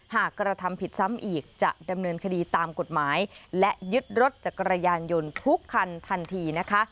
กระทำผิดซ้ำอีกจะดำเนินคดีตามกฎหมายและยึดรถจักรยานยนต์ทุกคันทันทีนะคะ